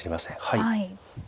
はい。